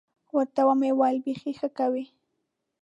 ورته ومې ویل بيخي ښه کوې.